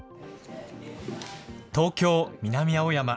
東京・南青山。